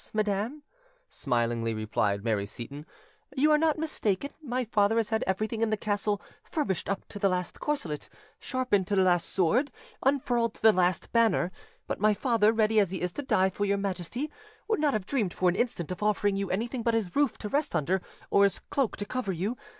madam," smilingly replied Mary Seyton, "you are not mistaken: my father has had everything in the castle furbished up to the last corselet, sharpened to the last sword, unfurled to the last banner; but my father, ready as he is to die for your Majesty, would not have dreamed for an instant of offering you anything but his roof to rest under, or his cloak to cover you.